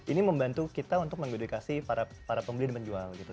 ini membantu kita untuk mendudukasi para pembeli dan penjual gitu